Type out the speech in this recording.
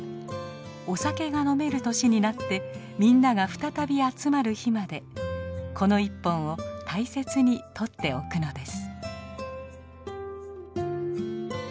お酒が飲める年になってみんなが再び集まる日までこの１本を大切に取っておくのです。